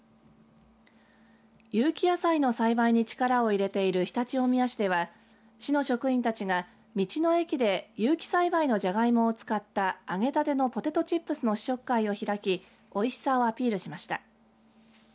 有機野菜の栽培に力を入れている常陸大宮市では市の職員たちが道の駅で有機栽培のジャガイモを使った揚げたてのポテトチップスの試食会を開きおいしさをアピールしました。